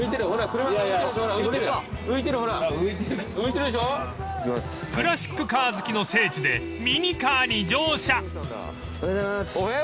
［クラシックカー好きの聖地でミニカーに乗車］